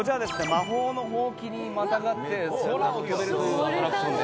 魔法のほうきにまたがって空を飛べるというアトラクションです。